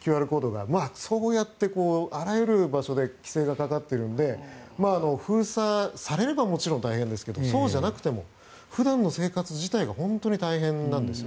そうやってあらゆる場所で規制がかかっているので封鎖されればもちろん大変ですけど普段の生活自体が本当に大変なんです。